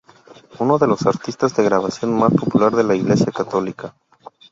Uno de los artistas de grabación más popular de la iglesia católica.